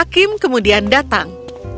hakim kemudian datang